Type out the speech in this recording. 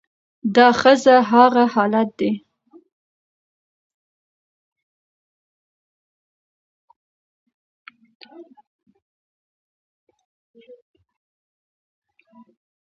دا ښځه هغه حالت دى